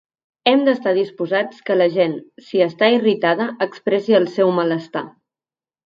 Hem d’estar disposats que la gent, si està irritada, expressi el seu malestar.